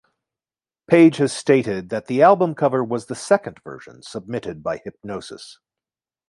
Page has stated that the album cover was the second version submitted by Hipgnosis.